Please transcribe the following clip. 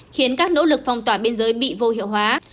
khiến các nỗ lực phong tỏa biên giới bị vô hiệu hóa